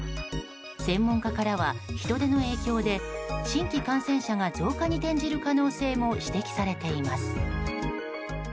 専門家からは、人出の影響で新規感染者が増加に転じる可能性も指摘されています。